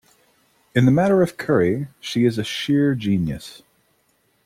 In the matter of curry she is a sheer genius.